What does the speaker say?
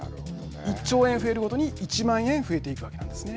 １兆円増えるごとに１万円増えている感じですね。